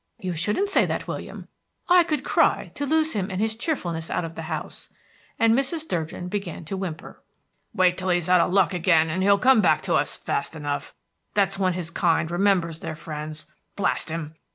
"You shouldn't say that, William. I could cry, to lose him and his cheerfulness out of the house," and Mrs. Durgin began to whimper. "Wait till he's out of luck again, and he'll come back to us fast enough. That's when his kind remembers their friends. Blast him!